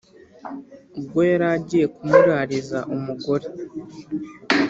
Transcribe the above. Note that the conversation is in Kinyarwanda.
ubwo yari agiye kumurariza umugore